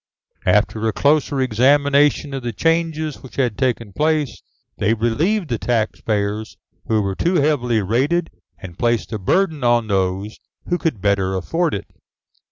After a closer examination of the changes which had taken place, they relieved the taxpayers who were too heavily rated and placed the burden on those who could better afford it.